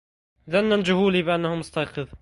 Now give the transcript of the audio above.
ظن الجهول بأنه مستيقظ